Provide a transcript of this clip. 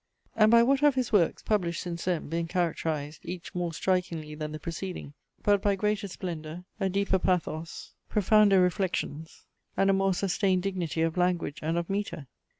And by what have his works, published since then, been characterized, each more strikingly than the preceding, but by greater splendour, a deeper pathos, profounder reflections, and a more sustained dignity of language and of metre?